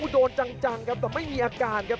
โดนจังครับแต่ไม่มีอาการครับ